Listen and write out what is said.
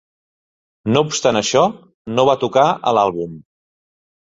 No obstant això, no van tocar a l'àlbum.